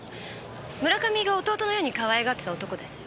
村上が弟のようにかわいがってた男だし。